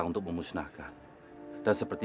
untuk memusnahkan dan seperti